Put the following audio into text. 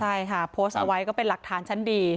ใช่ค่ะโพสต์เอาไว้ก็เป็นหลักฐานชั้นดี